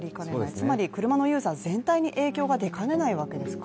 つまり車のユーザー全体に影響が出かねないわけですか？